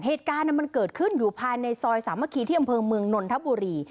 เหตุการณ์มันเกิดขึ้นอยู่ภายในซอยสามัคคีที่อำเภอเมืองนนทบุรี